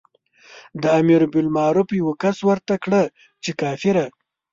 د امر بالمعروف یوه کس ورته کړه چې کافره.